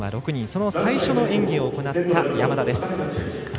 その最初の演技を行った山田です。